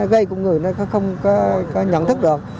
gây của người không có nhận thức được